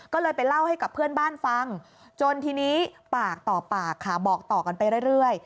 ก็เลยไปเล่าให้กับเพื่อนบ้านฟังจนทีนี้ปากต่อปากค่ะบอกต่อกันไปเรื่อย